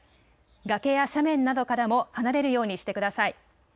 崖や斜面などからも離れるようにしてください。